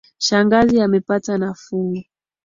Shangazi amepata nafuu